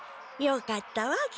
よかったわ。